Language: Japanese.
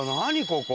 ここ。